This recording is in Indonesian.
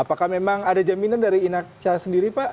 apakah memang ada jaminan dari inacca sendiri pak